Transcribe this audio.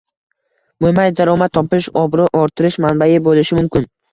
mo‘may daromad topish, obro‘ orttirish manbai bo‘lishi mumkin.